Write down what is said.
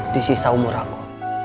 di sisa umur aku